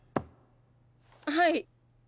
はい。